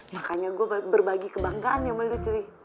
makanya gue berbagi kebanggaan ya sama lo cuy